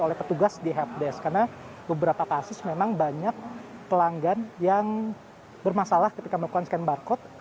oleh karena beberapa kasus memang banyak pelanggan yang bermasalah ketika melakukan scan barcode